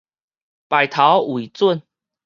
排頭為準